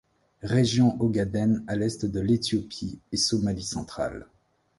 Région Ogaden à l'est de l'Éthiopie et Somalie centrale.